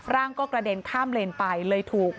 ร่างก็กระเด็นข้ามเลนไปเลยถูก